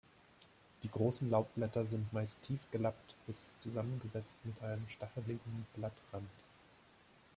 Die großen Laubblätter sind meist tief gelappt bis zusammengesetzt mit einem stacheligen Blattrand.